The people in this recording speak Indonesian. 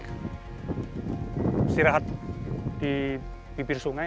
beristirahat di bibir sungai